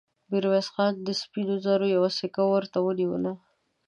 ميرويس خان د سپينو زرو يوه سيکه ورته ونيوله.